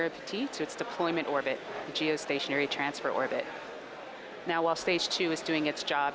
yang pertama adalah penyakit penarik yang akan muncul dalam sekitar satu menit dan lima puluh detik